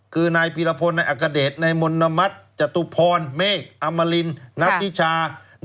คือนายพิรพลนายอักกเดชนายมณมัศจตุพรเมฆอมรินนักอิชา